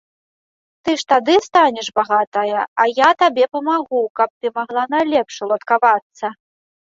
Ты ж тады станеш багатая, а я табе памагу, каб ты магла найлепш уладавацца.